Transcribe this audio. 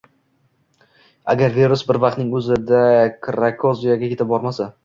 Agar virus bir vaqtning o'zida Krakoziyaga etib bormasa